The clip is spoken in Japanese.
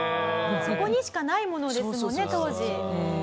そこにしかないものですもんね当時。